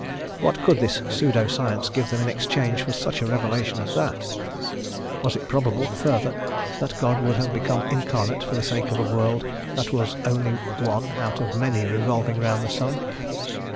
What could this pseudo science give them in exchange for such a revelation as that? Was it probable, further, that God would have become incarnate for the sake of a world that was only one out of many revolving round the sun?